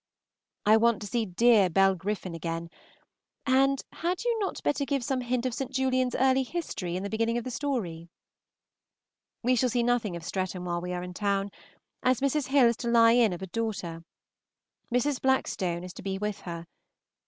I want to see dear Bell Griffin again; and had you not better give some hint of St. Julian's early history in the beginning of the story? We shall see nothing of Streatham while we are in town, as Mrs. Hill is to lie in of a daughter. Mrs. Blackstone is to be with her. Mrs.